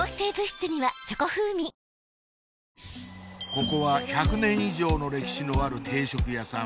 ここは１００年以上の歴史のある定食屋さん